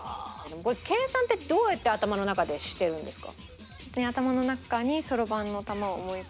計算ってどうやって頭の中でしてるんですか？